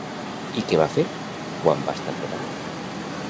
I què va fer, quan va estar preparat?